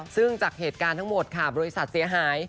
ซึ่งจากเหตุการณ์ทั้งหมดค่ะบริษัทเสียหาย